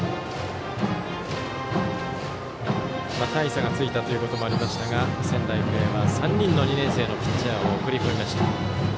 大差がついたということもありましたが仙台育英は３人の２年生のピッチャーを送り込みました。